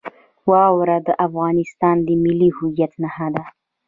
واوره د افغانستان د ملي هویت نښه ده.